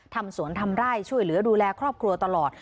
ทำสวนทำไร่ช่วยเหลือดูแลครอบครัวตลอด